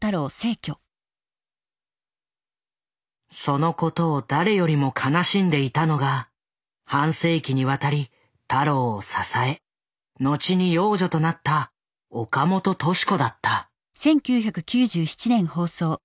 そのことを誰よりも悲しんでいたのが半世紀にわたり太郎を支え後に養女となった岡本敏子だった。